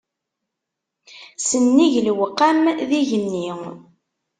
Sennig lewqam, d igenni.